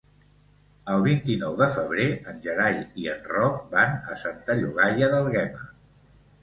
El vint-i-nou de febrer en Gerai i en Roc van a Santa Llogaia d'Àlguema.